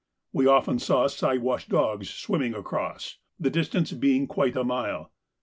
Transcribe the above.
We often saw Siwash dogs swimming across, the distance being quite a mile.